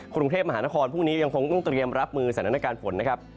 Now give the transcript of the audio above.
กรุงเทพมหานครพรุ่งนี้ยังคงต้องเตรียมรับมือสถานการณ์ฝนนะครับ